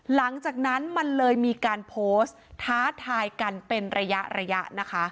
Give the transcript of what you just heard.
หลังจากนั้นมันเลยมีการโพสต์ท้าทายกันเป็นระยะระยะนะคะ